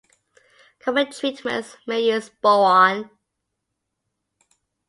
Common treatments may use boron.